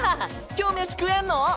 今日メシ食えんの？